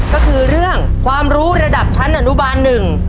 ก็คือเรื่องความรู้ระดับชั้นอนุบาลหนึ่ง